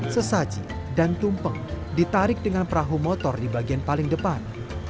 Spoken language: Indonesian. sesaji dan tumpeng ditarik dengan perahu motor di bagian paling depan